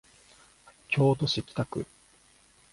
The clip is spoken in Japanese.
京都市北区